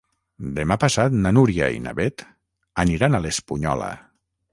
Demà passat na Núria i na Beth aniran a l'Espunyola.